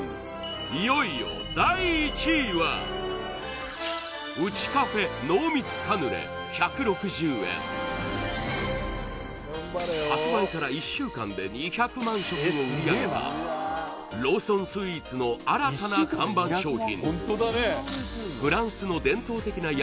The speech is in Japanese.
いよいよ第１位は発売から１週間で２００万食を売り上げたローソンスイーツの新たな看板商品